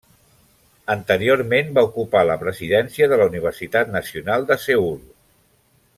Anteriorment va ocupar la presidència de la Universitat Nacional de Seül.